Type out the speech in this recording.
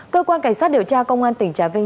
cơ quan cảnh sát điều tra công an tỉnh trà vinh